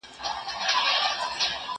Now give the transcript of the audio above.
دا لاس له هغه پاک دی؟